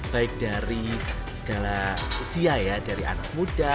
baik dari segala usia ya dari anak muda